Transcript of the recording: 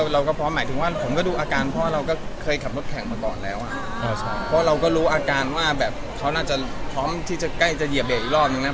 เราก็พร้อมหมายถึงว่าผมก็ดูอาการเพราะว่าเราก็เคยขับรถแข่งมาก่อนแล้วเพราะเราก็รู้อาการว่าแบบเขาน่าจะพร้อมที่จะใกล้จะเหยียบเรกอีกรอบนึงนะ